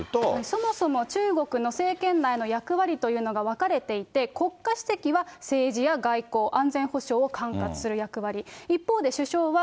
そもそも中国の政権内の役割というのが分かれていて、国家主席は政治や外交、安全保障を管轄する役割。